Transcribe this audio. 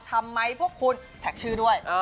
ทำไมพวกคุณแท็กชื่อด้วย